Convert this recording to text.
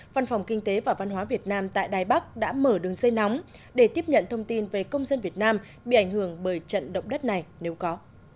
văn phòng kinh tế và văn hóa việt nam tại đài bắc đã mở đường dây nóng để tiếp nhận thông tin về công dân việt nam bị ảnh hưởng bởi trận động đất này nếu có